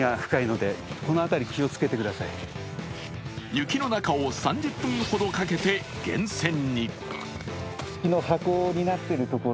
雪の中を３０分ほどかけて源泉に。